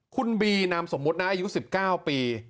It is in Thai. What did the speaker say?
คุณบีนามสมมุตินะอายุ๑๙ปี